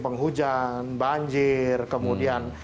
penghujan banjir kemudian